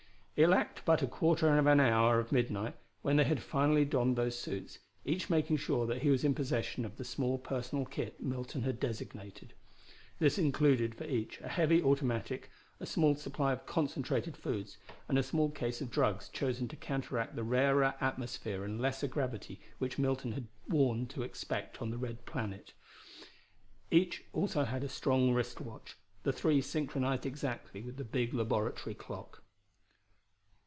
It lacked but a quarter hour of midnight when they had finally donned those suits, each making sure that he was in possession of the small personal kit Milton had designated. This included for each a heavy automatic, a small supply of concentrated foods, and a small case of drugs chosen to counteract the rarer atmosphere and lesser gravity which Milton had been warned to expect on the red planet. Each had also a strong wrist watch, the three synchronized exactly with the big laboratory clock.